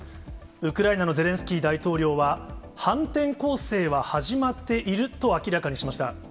ウクライナのゼレンスキー大統領は、反転攻勢は始まっていると明らかにしました。